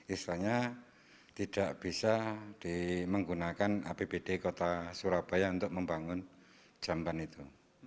istilahnya tidak bisa dimenggunakan apbd kota surabaya untuk membangun jamban itu